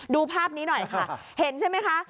ดูภาพนี้หน่อยค่ะเห็นใช่ไหมคะ